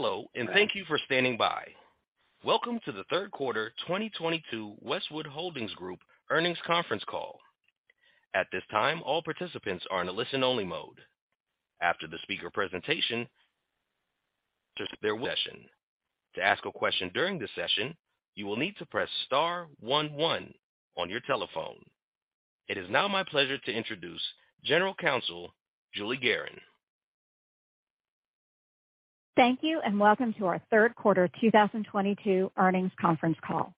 Hello, and thank you for standing by. Welcome to the third quarter 2022 Westwood Holdings Group Earnings Conference Call. At this time, all participants are in a listen-only mode. After the speaker presentation, the session. To ask a question during the session, you will need to press star one one on your telephone. It is now my pleasure to introduce General Counsel, Julie Gerron. Thank you, and welcome to our third quarter 2022 earnings conference call.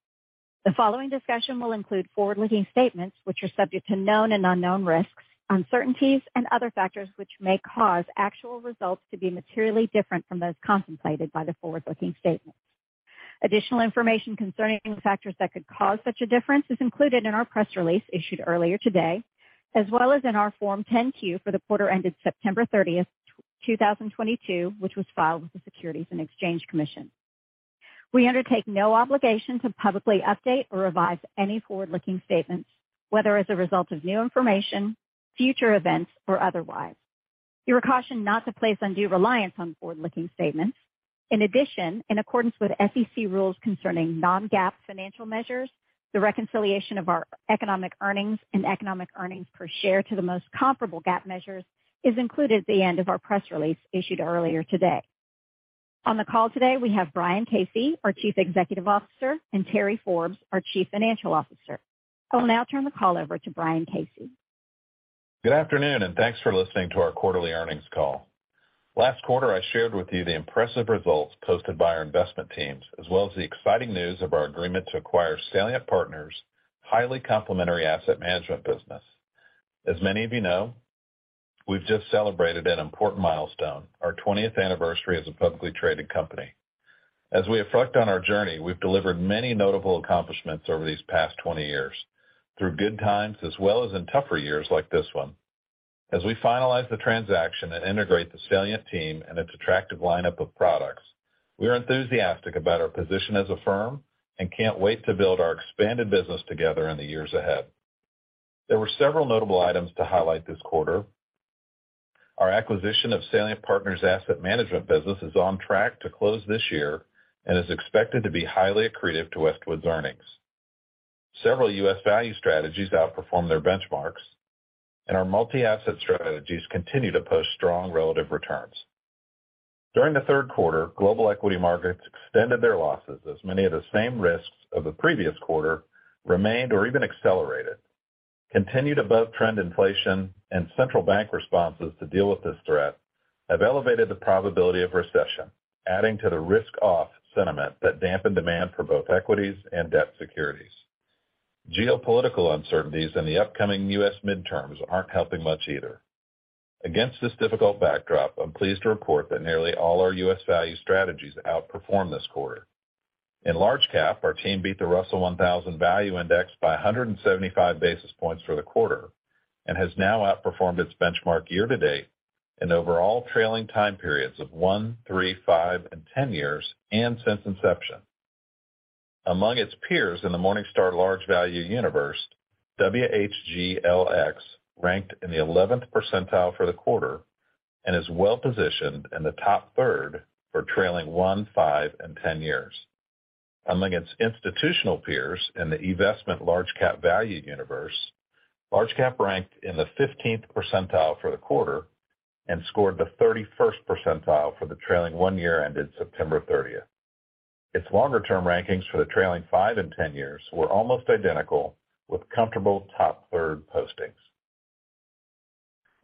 The following discussion will include forward-looking statements which are subject to known and unknown risks, uncertainties and other factors which may cause actual results to be materially different from those contemplated by the forward-looking statements. Additional information concerning factors that could cause such a difference is included in our press release issued earlier today, as well as in our Form 10-Q for the quarter ended September 30, 2022, which was filed with the Securities and Exchange Commission. We undertake no obligation to publicly update or revise any forward-looking statements, whether as a result of new information, future events, or otherwise. You are cautioned not to place undue reliance on forward-looking statements. In addition, in accordance with SEC rules concerning non-GAAP financial measures, the reconciliation of our economic earnings and economic earnings per share to the most comparable GAAP measures is included at the end of our press release issued earlier today. On the call today, we have Brian Casey, our Chief Executive Officer, and Terry Forbes, our Chief Financial Officer. I will now turn the call over to Brian Casey. Good afternoon, and thanks for listening to our quarterly earnings call. Last quarter, I shared with you the impressive results posted by our investment teams, as well as the exciting news of our agreement to acquire Salient Partners' highly complementary asset management business. As many of you know, we've just celebrated an important milestone, our 20th anniversary as a publicly traded company. As we reflect on our journey, we've delivered many notable accomplishments over these past 20 years, through good times as well as in tougher years like this one. As we finalize the transaction and integrate the Salient team and its attractive lineup of products, we are enthusiastic about our position as a firm and can't wait to build our expanded business together in the years ahead. There were several notable items to highlight this quarter. Our acquisition of Salient Partners Asset Management business is on track to close this year and is expected to be highly accretive to Westwood's earnings. Several U.S. value strategies outperformed their benchmarks, and our multi-asset strategies continue to post strong relative returns. During the third quarter, global equity markets extended their losses as many of the same risks of the previous quarter remained or even accelerated. Continued above-trend inflation and central bank responses to deal with this threat have elevated the probability of recession, adding to the risk off sentiment that dampened demand for both equities and debt securities. Geopolitical uncertainties in the upcoming U.S. midterms aren't helping much either. Against this difficult backdrop, I'm pleased to report that nearly all our U.S. value strategies outperformed this quarter. In large cap, our team beat the Russell 1000 Value Index by 175 basis points for the quarter and has now outperformed its benchmark year to date in overall trailing time periods of one, three, five, and 10 years, and since inception. Among its peers in the Morningstar Large Value Universe, WHGLX ranked in the 11th percentile for the quarter and is well positioned in the top third for trailing one, five, and 10 years. Among its institutional peers in the eVestment Large Cap Value universe, large cap ranked in the 15th percentile for the quarter and scored the 31st percentile for the trailing one year ended September thirtieth. Its longer-term rankings for the trailing five and 10 years were almost identical with comfortable top third postings.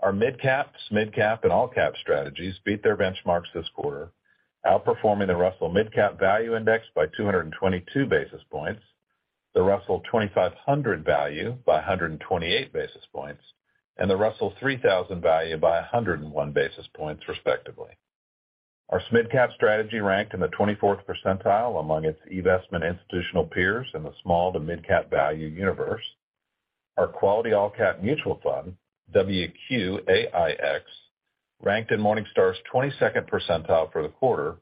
Our midcap, SMID cap, and all cap strategies beat their benchmarks this quarter, outperforming the Russell Midcap Value Index by 222 basis points, the Russell 2500 Value Index by 128 basis points, and the Russell 3000 Value Index by 101 basis points respectively. Our SMID cap strategy ranked in the 24th percentile among its eVestment institutional peers in the small to midcap value universe. Our Quality AllCap Mutual Fund, WQAIX, ranked in Morningstar's 22nd percentile for the quarter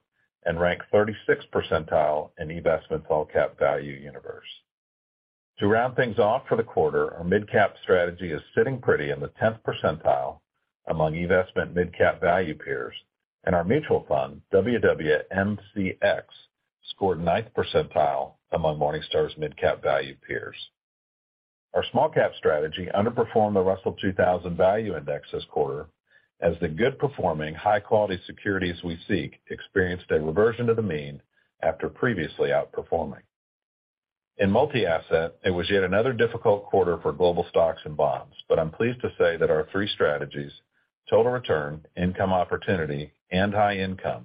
and ranked 36th percentile in eVestment All Cap Value universe. To round things off for the quarter, our midcap strategy is sitting pretty in the 10th percentile among eVestment midcap value peers. Our mutual fund, WWMCX, scored 9th percentile among Morningstar's midcap value peers. Our small-cap strategy underperformed the Russell 2000 Value Index this quarter as the good performing high-quality securities we seek experienced a reversion to the mean after previously outperforming. In multi-asset, it was yet another difficult quarter for global stocks and bonds, but I'm pleased to say that our three strategies, Total Return, Income Opportunity, and High Income,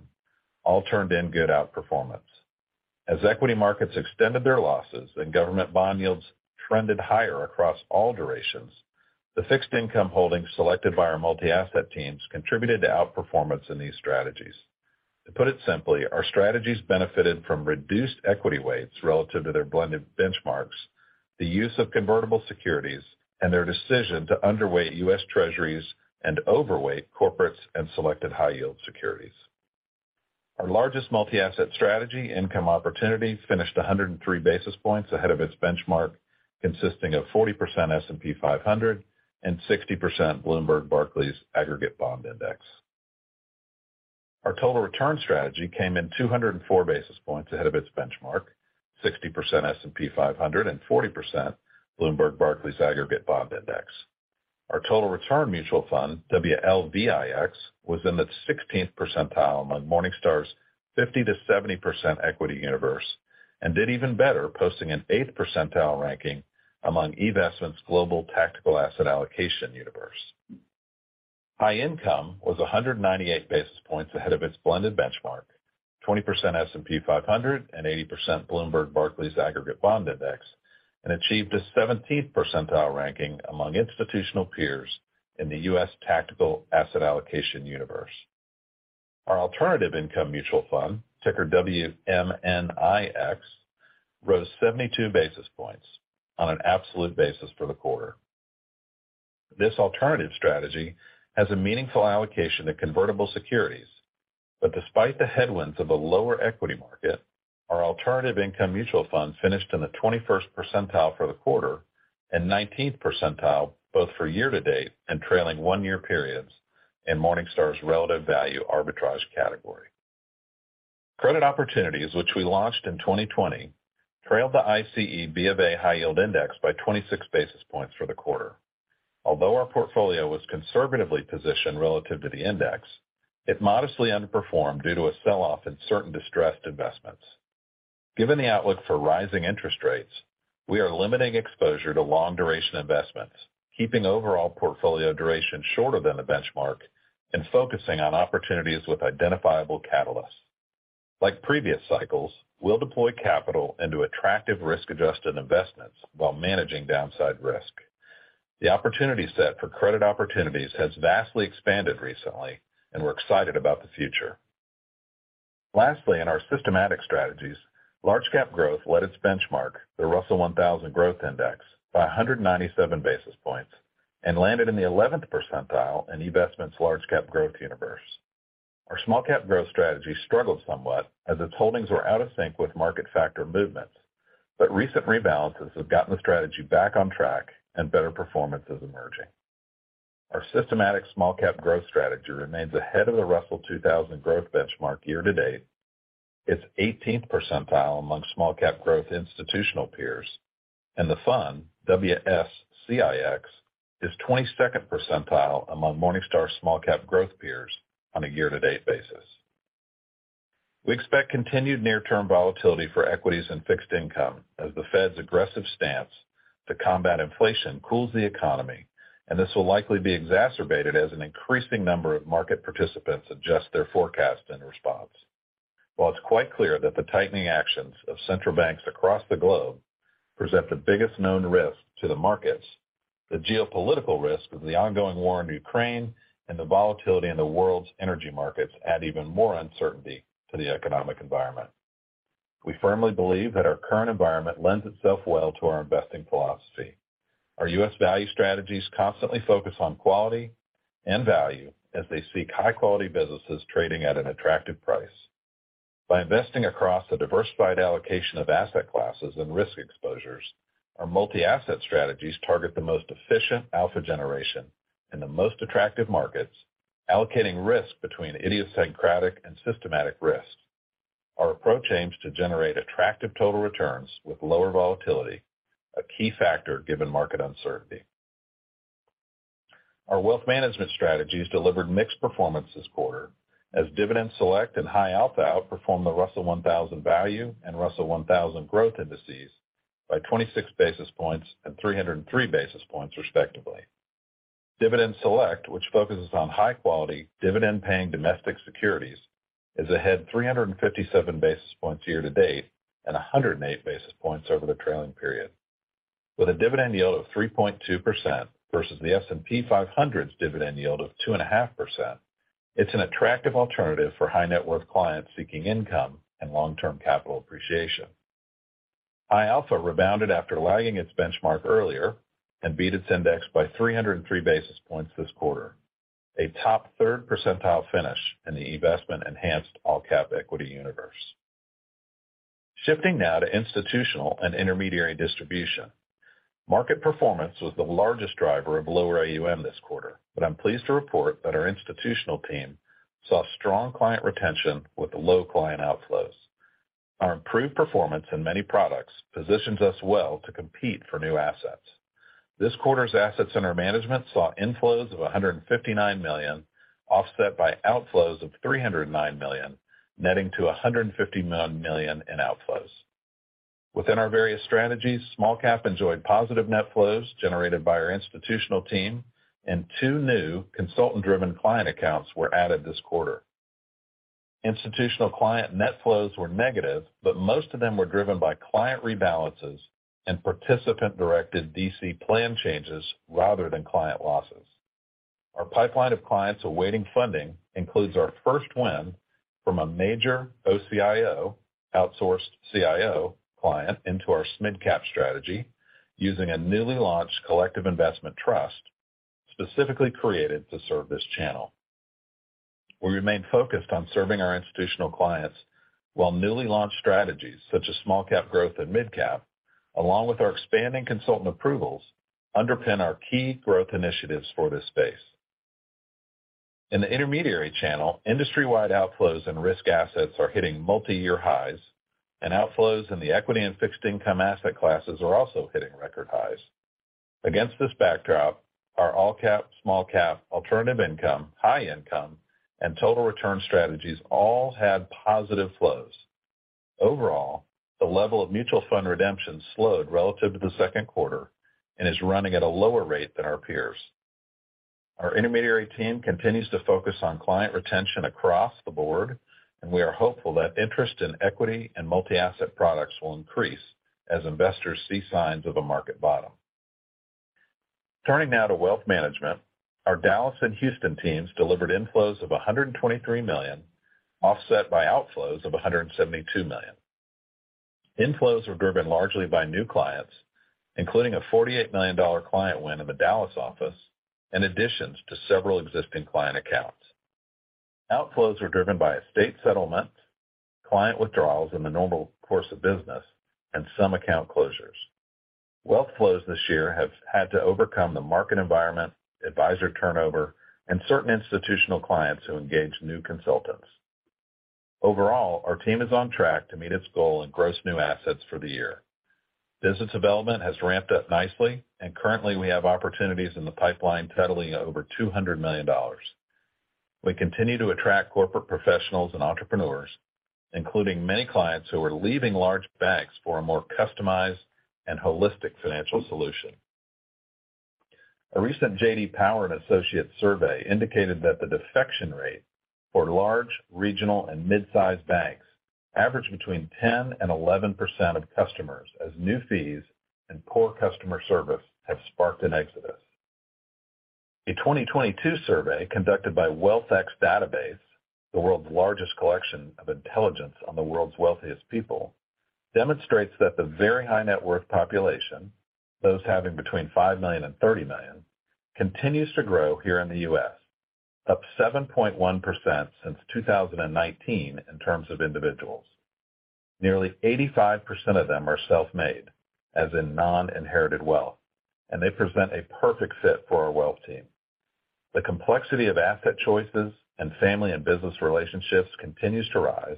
all turned in good outperformance. As equity markets extended their losses and government bond yields trended higher across all durations, the fixed-income holdings selected by our multi-asset teams contributed to outperformance in these strategies. To put it simply, our strategies benefited from reduced equity weights relative to their blended benchmarks, the use of convertible securities, and their decision to underweight U.S. Treasuries and overweight corporates and selected high-yield securities. Our largest multi-asset strategy, Income Opportunity, finished 103 basis points ahead of its benchmark, consisting of 40% S&P 500 and 60% Bloomberg Barclays U.S. Aggregate Bond Index. Our total return strategy came in 204 basis points ahead of its benchmark, 60% S&P 500 and 40% Bloomberg Barclays US Aggregate Bond Index. Our total return mutual fund, WLVIX, was in the 16th percentile among Morningstar's 50%-70% equity universe and did even better, posting an eighth percentile ranking among eVestment's Global Tactical Asset Allocation universe. High Income was 198 basis points ahead of its blended benchmark, 20% S&P 500 and 80% Bloomberg Barclays U.S. Aggregate Bond Index, and achieved a 17th percentile ranking among institutional peers in the U.S. Tactical Asset Allocation universe. Our alternative income mutual fund, ticker WMNIX, rose 72 basis points on an absolute basis for the quarter. This alternative strategy has a meaningful allocation to convertible securities. Despite the headwinds of a lower equity market, our alternative income mutual fund finished in the 21st percentile for the quarter and 19th percentile both for year-to-date and trailing one-year periods in Morningstar's relative value arbitrage category. Credit Opportunities, which we launched in 2020, trailed the ICE BofA High Yield Index by 26 basis points for the quarter. Although our portfolio was conservatively positioned relative to the index, it modestly underperformed due to a sell-off in certain distressed investments. Given the outlook for rising interest rates, we are limiting exposure to long-duration investments, keeping overall portfolio duration shorter than the benchmark and focusing on opportunities with identifiable catalysts. Like previous cycles, we'll deploy capital into attractive risk-adjusted investments while managing downside risk. The opportunity set for Credit Opportunities has vastly expanded recently, and we're excited about the future. Lastly, in our systematic strategies, Large Cap Growth led its benchmark, the Russell 1000 Growth Index, by 197 basis points and landed in the 11th percentile in eVestment's Large Cap Growth universe. Our Small Cap Growth strategy struggled somewhat as its holdings were out of sync with market factor movements, but recent rebalances have gotten the strategy back on track and better performance is emerging. Our systematic small cap growth strategy remains ahead of the Russell 2000 Growth benchmark year-to-date. Its 18th percentile among small cap growth institutional peers and the fund, WSCIX is 22nd percentile among Morningstar small cap growth peers on a year-to-date basis. We expect continued near-term volatility for equities and fixed income as the Fed's aggressive stance to combat inflation cools the economy, and this will likely be exacerbated as an increasing number of market participants adjust their forecast in response. While it's quite clear that the tightening actions of central banks across the globe present the biggest known risk to the markets, the geopolitical risk of the ongoing war in Ukraine and the volatility in the world's energy markets add even more uncertainty to the economic environment. We firmly believe that our current environment lends itself well to our investing philosophy. Our U.S. value strategies constantly focus on quality and value as they seek high-quality businesses trading at an attractive price. By investing across a diversified allocation of asset classes and risk exposures, our multi-asset strategies target the most efficient alpha generation in the most attractive markets, allocating risk between idiosyncratic and systematic risk. Our approach aims to generate attractive total returns with lower volatility, a key factor given market uncertainty. Our wealth management strategies delivered mixed performance this quarter as Dividend Select and High Alpha outperformed the Russell 1000 Value and Russell 1000 Growth Indices by 26 basis points and 303 basis points, respectively. Dividend Select, which focuses on high-quality dividend-paying domestic securities, is ahead 357 basis points year-to-date and 108 basis points over the trailing period. With a dividend yield of 3.2% versus the S&P 500's dividend yield of 2.5%, it's an attractive alternative for high-net-worth clients seeking income and long-term capital appreciation. High Alpha rebounded after lagging its benchmark earlier and beat its index by 303 basis points this quarter, a top third percentile finish in the eVestment enhanced all-cap equity universe. Shifting now to institutional and intermediary distribution. Market performance was the largest driver of lower AUM this quarter, but I'm pleased to report that our institutional team saw strong client retention with low client outflows. Our improved performance in many products positions us well to compete for new assets. This quarter's assets under management saw inflows of $159 million, offset by outflows of $309 million, netting to $150 million in outflows. Within our various strategies, Small Cap enjoyed positive net flows generated by our institutional team, and two new consultant-driven client accounts were added this quarter. Institutional client net flows were negative, but most of them were driven by client rebalances and participant-directed DC plan changes rather than client losses. Our pipeline of clients awaiting funding includes our first win from a major OCIO, outsourced CIO client into our SMid Cap strategy using a newly launched collective investment trust specifically created to serve this channel. We remain focused on serving our institutional clients, while newly launched strategies such as small cap growth and midcap, along with our expanding consultant approvals, underpin our key growth initiatives for this space. In the intermediary channel, industry-wide outflows and risk assets are hitting multi-year highs, and outflows in the equity and fixed income asset classes are also hitting record highs. Against this backdrop, our All Cap, Small Cap, Alternative Income, High Income, and Total Return strategies all had positive flows. Overall, the level of mutual fund redemptions slowed relative to the second quarter and is running at a lower rate than our peers. Our intermediary team continues to focus on client retention across the board, and we are hopeful that interest in equity and multi-asset products will increase as investors see signs of a market bottom. Turning now to wealth management. Our Dallas and Houston teams delivered inflows of $123 million, offset by outflows of $172 million. Inflows were driven largely by new clients, including a $48 million client win in the Dallas office and additions to several existing client accounts. Outflows were driven by estate settlements, client withdrawals in the normal course of business, and some account closures. Wealth flows this year have had to overcome the market environment, advisor turnover, and certain institutional clients who engage new consultants. Overall, our team is on track to meet its goal in gross new assets for the year. Business development has ramped up nicely and currently we have opportunities in the pipeline totaling over $200 million. We continue to attract corporate professionals and entrepreneurs, including many clients who are leaving large banks for a more customized and holistic financial solution. A recent JD Power and Associates survey indicated that the defection rate for large, regional and mid-sized banks averaged between 10% and 11% of customers as new fees and poor customer service have sparked an exodus. A 2022 survey conducted by Wealth X Database, the world's largest collection of intelligence on the world's wealthiest people, demonstrates that the very high net worth population, those having between $5 million and $30 million, continues to grow here in the U.S., up 7.1% since 2019 in terms of individuals. Nearly 85% of them are self-made, as in non-inherited wealth, and they present a perfect fit for our wealth team. The complexity of asset choices and family and business relationships continues to rise,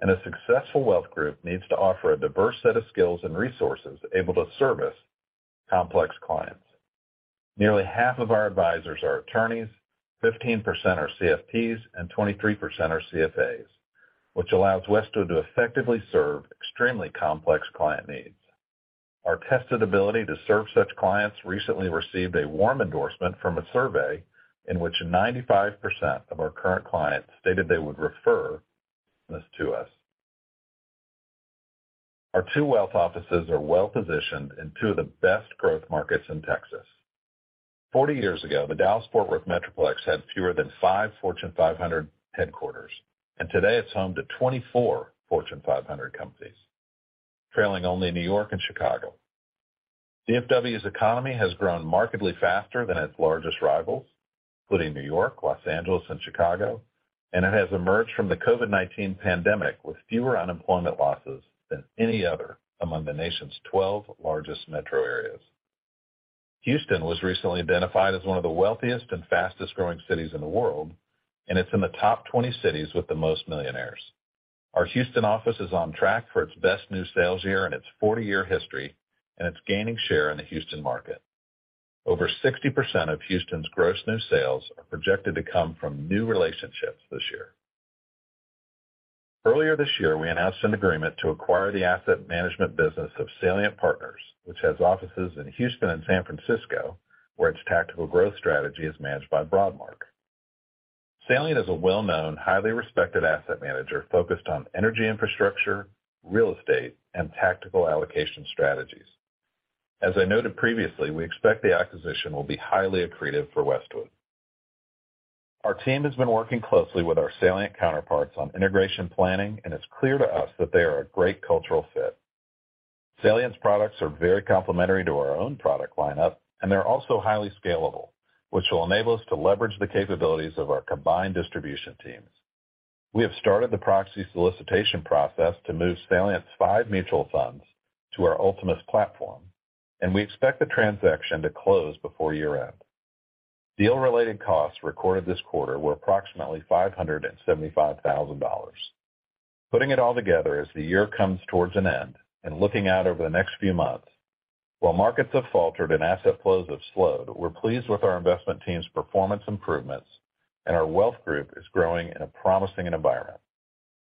and a successful wealth group needs to offer a diverse set of skills and resources able to service complex clients. Nearly half of our advisors are attorneys, 15% are CFPs, and 23% are CFAs, which allows Westwood to effectively serve extremely complex client needs. Our tested ability to serve such clients recently received a warm endorsement from a survey in which 95% of our current clients stated they would refer this to us. Our two wealth offices are well positioned in two of the best growth markets in Texas. Forty years ago, the Dallas-Fort Worth Metroplex had fewer than five Fortune 500 headquarters, and today it's home to 24 Fortune 500 companies, trailing only New York and Chicago. DFW's economy has grown markedly faster than its largest rivals, including New York, Los Angeles, and Chicago, and it has emerged from the COVID-19 pandemic with fewer unemployment losses than any other among the nation's 12 largest metro areas. Houston was recently identified as one of the wealthiest and fastest-growing cities in the world, and it's in the top 20 cities with the most millionaires. Our Houston office is on track for its best new sales year in its 40-year history, and it's gaining share in the Houston market. Over 60% of Houston's gross new sales are projected to come from new relationships this year. Earlier this year, we announced an agreement to acquire the asset management business of Salient Partners, which has offices in Houston and San Francisco, where its tactical growth strategy is managed by Broadmark. Salient is a well-known, highly respected asset manager focused on energy infrastructure, real estate, and tactical allocation strategies. As I noted previously, we expect the acquisition will be highly accretive for Westwood. Our team has been working closely with our Salient counterparts on integration planning, and it's clear to us that they are a great cultural fit. Salient Partners' products are very complementary to our own product lineup, and they're also highly scalable, which will enable us to leverage the capabilities of our combined distribution teams. We have started the proxy solicitation process to move Salient Partners' five mutual funds to our Ultimus platform, and we expect the transaction to close before year-end. Deal-related costs recorded this quarter were approximately $575,000. Putting it all together as the year comes towards an end and looking out over the next few months, while markets have faltered and asset flows have slowed, we're pleased with our investment team's performance improvements and our wealth group is growing in a promising environment.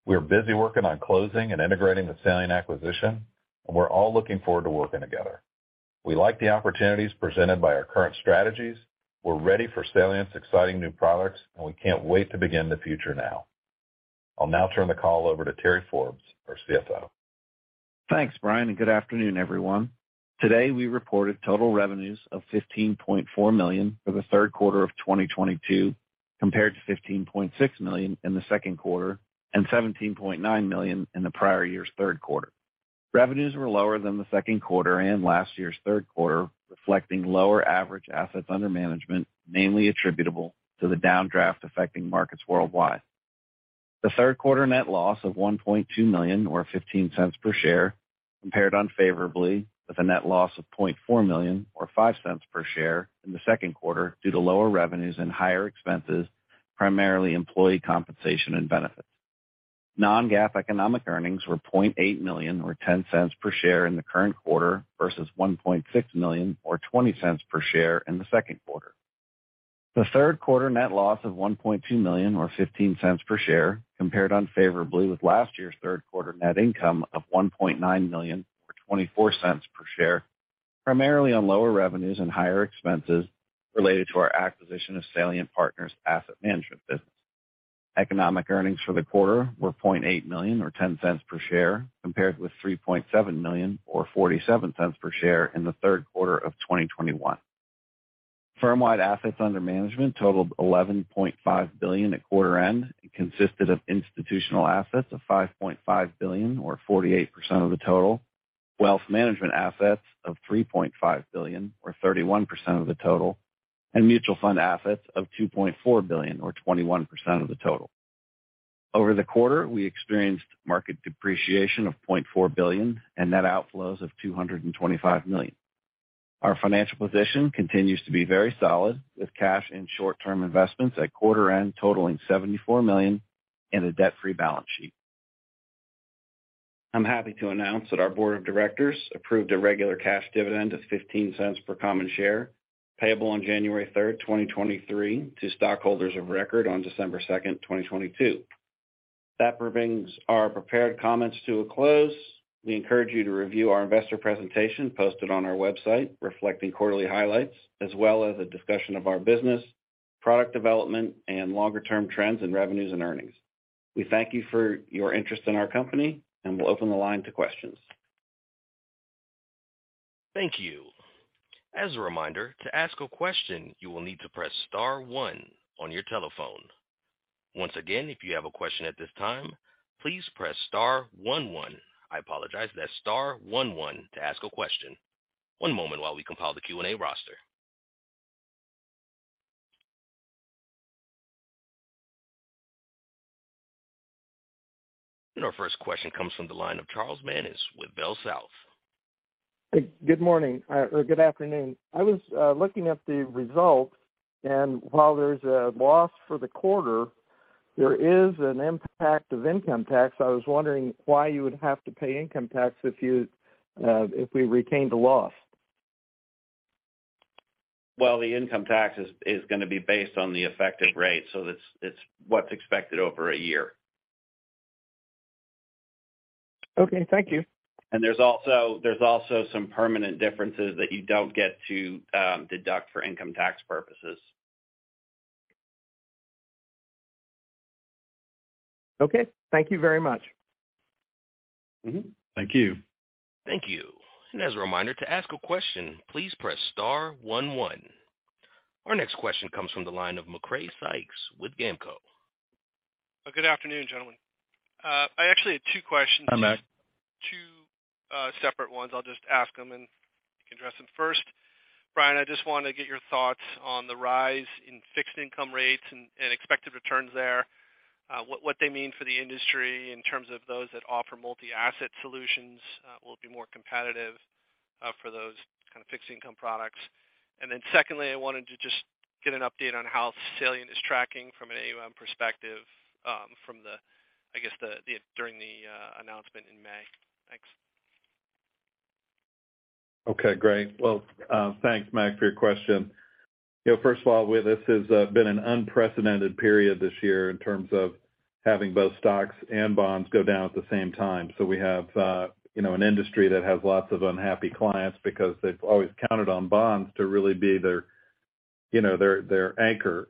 We are busy working on closing and integrating the Salient Partners acquisition, and we're all looking forward to working together. We like the opportunities presented by our current strategies. We're ready for Salient's exciting new products, and we can't wait to begin the future now. I'll now turn the call over to Terry Forbes, our CFO. Thanks, Brian, and good afternoon, everyone. Today, we reported total revenues of $15.4 million for the third quarter of 2022, compared to $15.6 million in the second quarter and $17.9 million in the prior year's third quarter. Revenues were lower than the second quarter and last year's third quarter, reflecting lower average assets under management, mainly attributable to the downdraft affecting markets worldwide. The third quarter net loss of $1.2 million or $0.15 per share compared unfavorably with a net loss of $0.4 million or $0.05 per share in the second quarter due to lower revenues and higher expenses, primarily employee compensation and benefits. non-GAAP economic earnings were $0.8 million or $0.10 per share in the current quarter versus $1.6 million or $0.20 per share in the second quarter. The third quarter net loss of $1.2 million or $0.15 per share compared unfavorably with last year's third quarter net income of $1.9 million or $0.24 per share, primarily on lower revenues and higher expenses related to our acquisition of Salient Partners asset management business. Economic earnings for the quarter were $0.8 million or $0.10 per share, compared with $3.7 million or $0.47 per share in the third quarter of 2021. Firm-wide assets under management totaled $11.5 billion at quarter end, and consisted of institutional assets of $5.5 billion or 48% of the total, wealth management assets of $3.5 billion or 31% of the total, and mutual fund assets of $2.4 billion or 21% of the total. Over the quarter, we experienced market depreciation of $0.4 billion and net outflows of $225 million. Our financial position continues to be very solid, with cash and short-term investments at quarter end totaling $74 million and a debt-free balance sheet. I'm happy to announce that our board of directors approved a regular cash dividend of $0.15 per common share, payable on January 3, 2023 to stockholders of record on December 2, 2022. That brings our prepared comments to a close. We encourage you to review our investor presentation posted on our website reflecting quarterly highlights, as well as a discussion of our business, product development, and longer-term trends in revenues and earnings. We thank you for your interest in our company, and we'll open the line to questions. Thank you. As a reminder, to ask a question, you will need to press star one on your telephone. Once again, if you have a question at this time, please press star one one. I apologize, that's star one one to ask a question. One moment while we compile the Q&A roster. Our first question comes from the line of Charles Mannis with Bell South. Hey, good morning or good afternoon. I was looking at the results, and while there's a loss for the quarter, there is an impact of income tax. I was wondering why you would have to pay income tax if we retained a loss. Well, the income tax is gonna be based on the effective rate, so it's what's expected over a year. Okay, thank you. There's also some permanent differences that you don't get to deduct for income tax purposes. Okay. Thank you very much. Thank you. As a reminder to ask a question, please press star one one. Our next question comes from the line of Macrae Sykes with GAMCO. Good afternoon, gentlemen. I actually had two questions. Hi, Mac. Two separate ones. I'll just ask them, and you can address them. First, Brian, I just wanna get your thoughts on the rise in fixed income rates and expected returns there, what they mean for the industry in terms of those that offer multi-asset solutions, will it be more competitive for those kind of fixed income products? Secondly, I wanted to just get an update on how Salient is tracking from an AUM perspective, from the, I guess during the announcement in May. Thanks. Okay, great. Well, thanks, Mac, for your question. You know, first of all, this has been an unprecedented period this year in terms of having both stocks and bonds go down at the same time. We have, you know, an industry that has lots of unhappy clients because they've always counted on bonds to really be their, you know, their anchor.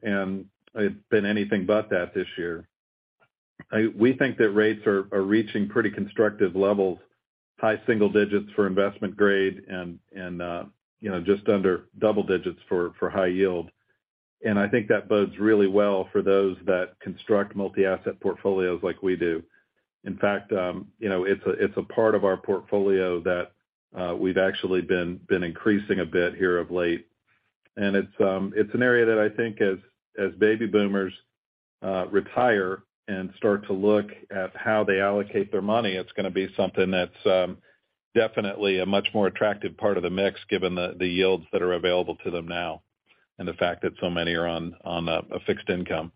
It's been anything but that this year. We think that rates are reaching pretty constructive levels, high single digits for investment grade and, you know, just under double digits for high yield. I think that bodes really well for those that construct multi-asset portfolios like we do. In fact, you know, it's a part of our portfolio that we've actually been increasing a bit here of late. It's an area that I think as baby boomers retire and start to look at how they allocate their money, it's gonna be something that's definitely a much more attractive part of the mix, given the yields that are available to them now and the fact that so many are on a fixed income.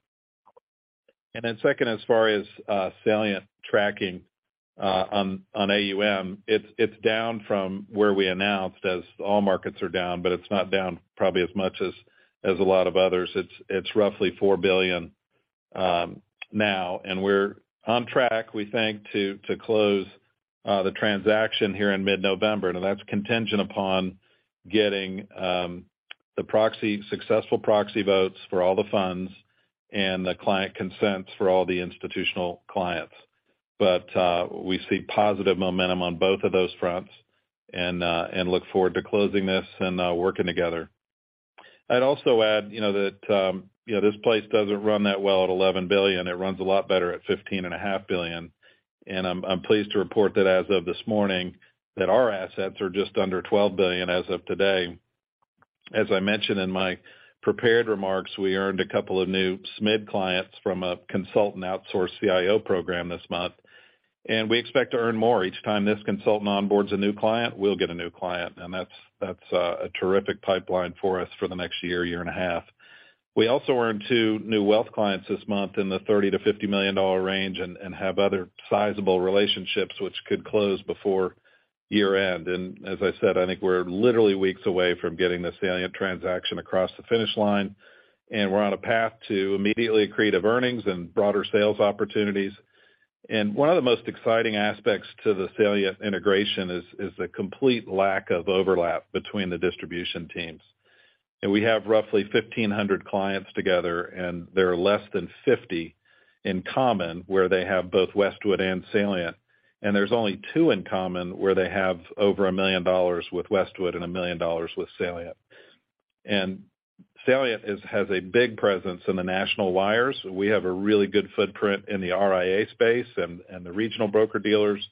Second, as far as Salient tracking on AUM, it's down from where we announced as all markets are down, but it's not down probably as much as a lot of others. It's roughly $4 billion now, and we're on track we think to close the transaction here in mid-November. That's contingent upon getting successful proxy votes for all the funds and the client consents for all the institutional clients. We see positive momentum on both of those fronts and look forward to closing this and, working together. I'd also add, you know, that, you know, this place doesn't run that well at $11 billion. It runs a lot better at $15.5 billion. I'm pleased to report that as of this morning, that our assets are just under $12 billion as of today. As I mentioned in my prepared remarks, we earned a couple of new SMID clients from a consultant outsourced CIO program this month, and we expect to earn more. Each time this consultant onboards a new client, we'll get a new client, and that's a terrific pipeline for us for the next year and a half. We also earned 2 new wealth clients this month in the $30 million-$50 million range and have other sizable relationships which could close before year-end. As I said, I think we're literally weeks away from getting the Salient transaction across the finish line, and we're on a path to immediately accretive earnings and broader sales opportunities. One of the most exciting aspects to the Salient integration is the complete lack of overlap between the distribution teams. We have roughly 1,500 clients together, and there are less than 50 in common where they have both Westwood and Salient. There's only two in common where they have over $1 million with Westwood and $1 million with Salient. Salient has a big presence in the national wires. We have a really good footprint in the RIA space and the regional broker-dealers.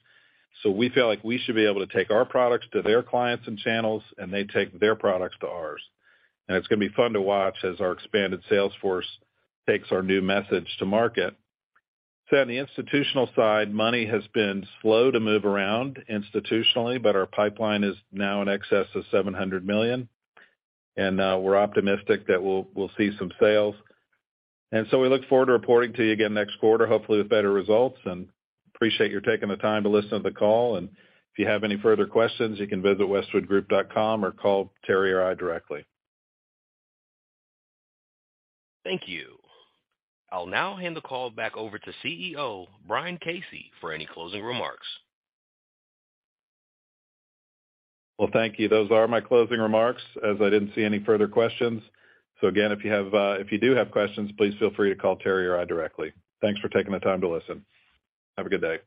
We feel like we should be able to take our products to their clients and channels, and they take their products to ours. It's gonna be fun to watch as our expanded sales force takes our new message to market. On the institutional side, money has been slow to move around institutionally, but our pipeline is now in excess of $700 million. We're optimistic that we'll see some sales. We look forward to reporting to you again next quarter, hopefully with better results, and appreciate your taking the time to listen to the call. If you have any further questions, you can visit westwoodgroup.com or call Terry or I directly. Thank you. I'll now hand the call back over to CEO Brian Casey for any closing remarks. Well, thank you. Those are my closing remarks, as I didn't see any further questions. Again, if you have, if you do have questions, please feel free to call Terry or I directly. Thanks for taking the time to listen. Have a good day.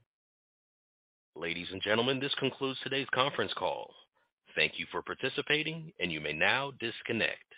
Ladies and gentlemen, this concludes today's conference call. Thank you for participating, and you may now disconnect.